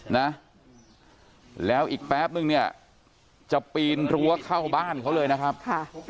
นะแล้วอีกแป๊บนึงเนี่ยจะปีนรั้วเข้าบ้านเขาเลยนะครับค่ะ